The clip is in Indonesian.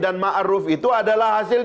dan ma'ruf itu adalah hasil